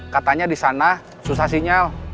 katanya disana susah sinyal